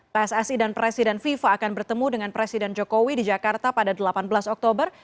pssi dan presiden fifa akan bertemu dengan presiden jokowi di jakarta pada delapan belas oktober